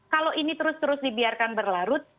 kalau ini terus terus dibiarkan berlarut